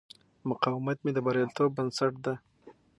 مقاومت مې د بریالیتوب بنسټ دی.